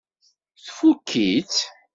Tfukk-itt?